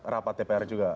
rapat tpr juga